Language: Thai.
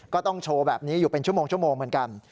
ก็ต้องโชว์แบบนี้อยู่เป็นชั่วโมงเหมือนกัน